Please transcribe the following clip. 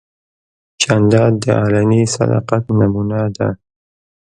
جانداد د علني صداقت نمونه ده.